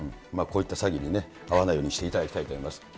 こういった詐欺に遭わないようにしていただきたいと思います。